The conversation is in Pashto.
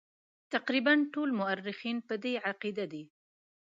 تقریبا ټول مورخین په دې عقیده دي.